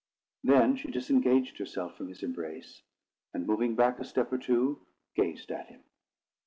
Then she disengaged herself from his embrace, and, moving back a step or two, gazed at him.